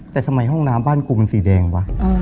แต่ทำไมห้องน้ำบ้านกูมันสีแดงวะ